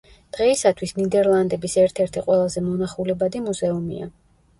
დღეისათვის ნიდერლანდების ერთ-ერთი ყველაზე მონახულებადი მუზეუმია.